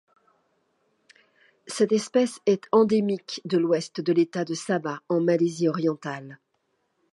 Cette espèce est endémique de l'Ouest de l'État de Sabah en Malaisie orientale.